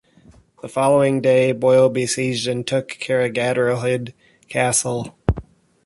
The following day, Boyle besieged and took Carrigadrohid castle.